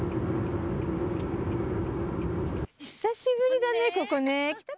久しぶりだね、ここ。